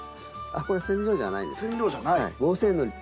これ染料じゃないです。